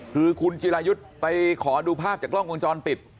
คือคุณจิรายุทธ์ไปขอดูภาพจากกล้องวงจรปิด